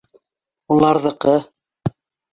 Уларҙыҡы!..